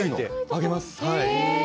揚げます